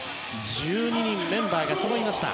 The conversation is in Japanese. １２人のメンバーがそろいました。